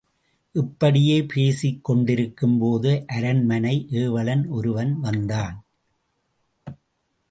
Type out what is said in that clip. இப்படிப் பேசிக் கொண்டிருக்கும்போது அரண்மனை ஏவலன் ஒருவன் வந்தான்.